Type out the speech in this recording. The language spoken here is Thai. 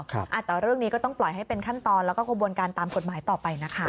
แต่เรื่องนี้ก็ต้องปล่อยให้เป็นขั้นตอนแล้วก็กระบวนการตามกฎหมายต่อไปนะคะ